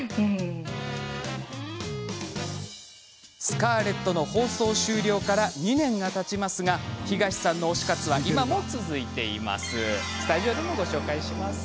「スカーレット」の放送終了から２年がたちますが東さんの推し活は今も続いています。